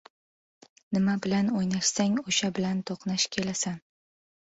• Nima bilan o‘ynashsang, o‘sha bilan to‘qnash kelasan.